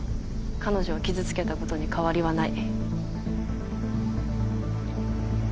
彼女を傷つけたことに変わりはない。